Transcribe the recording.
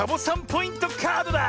ポイントカードだ！